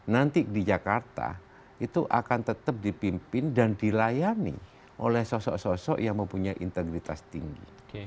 nanti di jakarta itu akan tetap dipimpin dan dilayani oleh sosok sosok yang mempunyai integritas tinggi